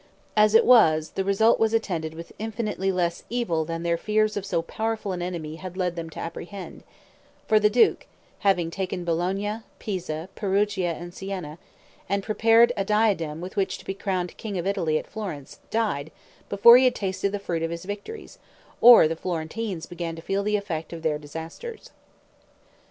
As it was, the result was attended with infinitely less evil than their fears of so powerful an enemy had led them to apprehend; for the duke having taken Bologna, Pisa, Perugia, and Sienna, and prepared a diadem with which to be crowned king of Italy at Florence, died before he had tasted the fruit of his victories, or the Florentines began to feel the effect of their disasters.